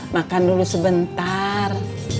makan dulu sebentar